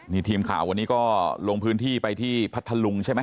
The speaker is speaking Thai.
นี่ทีมข่าววันนี้ก็ลงพื้นที่ไปที่พัทธลุงใช่ไหม